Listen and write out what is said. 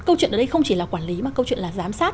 câu chuyện ở đây không chỉ là quản lý mà câu chuyện là giám sát